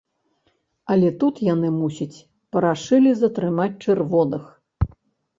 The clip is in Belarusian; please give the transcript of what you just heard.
Але тут яны, мусіць, парашылі затрымаць чырвоных.